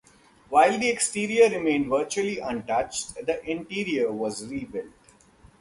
While the exterior remained virtually untouched, the interior was rebuilt.